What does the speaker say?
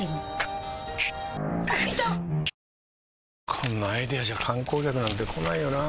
こんなアイデアじゃ観光客なんて来ないよなあ